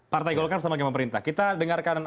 partai golkar sebagai pemerintah kita dengarkan